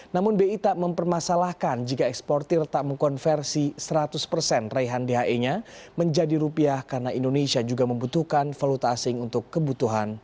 namun bi tak mempermasalahkan jika eksportir tak mengkonversi seratus persen raihan dhe nya menjadi rupiah karena indonesia juga membutuhkan valuta asing untuk kebutuhan